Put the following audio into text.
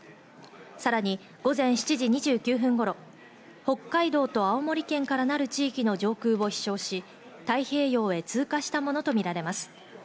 さらに午前７時２９分頃、北海道と青森県からなる地域の上空を飛翔し、太平洋へ通過したものとみられます。